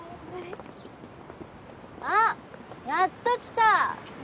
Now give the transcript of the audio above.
あっやっと来た！